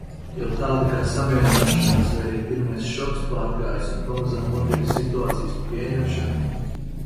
Jau tāda kā samierināšanās vai arī pirmais šoks pārgājis un pamazām notiek situācijas pieņemšana?